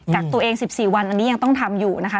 กักตัวเอง๑๔วันอันนี้ยังต้องทำอยู่นะคะ